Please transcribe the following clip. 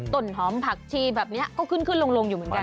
ต้นหอมผักชีแบบนี้ก็ขึ้นขึ้นลงอยู่เหมือนกัน